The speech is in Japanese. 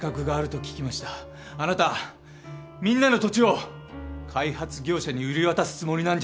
あなたみんなの土地を開発業者に売り渡すつもりなんじゃないんですか！？